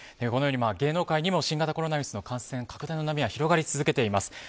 芸能界にも新型コロナウイルスの感染拡大の波は広がり続けています。